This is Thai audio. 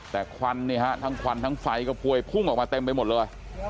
แต่ควันเนี่ยฮะทั้งควันทั้งไฟก็พวยพุ่งออกมาเต็มไปหมดเลย